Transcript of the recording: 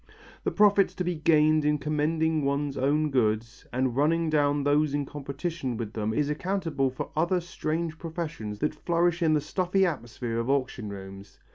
The profits to be gained by commending one's own goods and running down those in competition with them is accountable for other strange professions that flourish in the stuffy atmosphere of auction rooms.